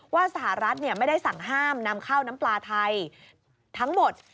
สหรัฐไม่ได้สั่งห้ามนำข้าวน้ำปลาไทยทั้งหมด